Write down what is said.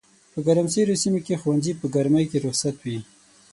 په ګرمسېرو سيمو کښي ښوونځي په ګرمۍ کي رخصت وي